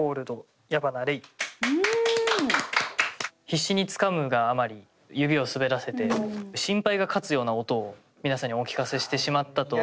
必死につかむがあまり指を滑らせて心配が勝つような音を皆さんにお聞かせしてしまったと。